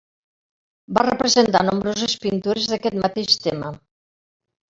Va representar nombroses pintures d'aquest mateix tema.